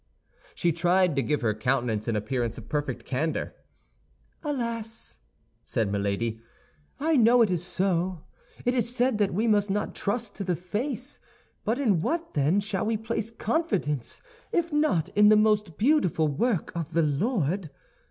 She tried to give her countenance an appearance of perfect candor. "Alas," said Milady, "I know it is so. It is said that we must not trust to the face; but in what, then, shall we place confidence, if not in the most beautiful work of the Lord?